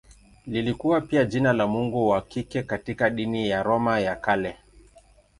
Lilikuwa pia jina la mungu wa kike katika dini ya Roma ya Kale.